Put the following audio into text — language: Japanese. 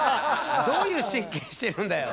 どういう神経してるんだよ。